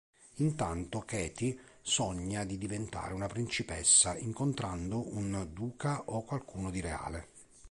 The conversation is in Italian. Intanto Katie sogna di diventare una principessa incontrando un duca o qualcuno di reale.